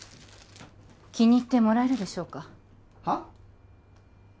気に入ってもらえるでしょうかはっ？